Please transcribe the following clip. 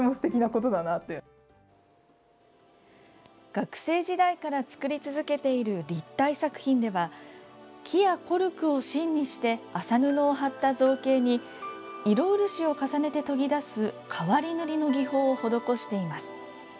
学生時代から作り続けている立体作品では木やコルクを芯にして麻布を貼った造形に色漆を重ねて研ぎ出す変わり塗りの技法を施しています。